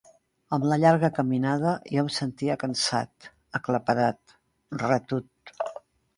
Amb la llarga caminada jo em sentia cansat, aclaparat, retut.